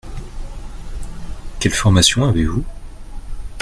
Quelle formation avez-vous ?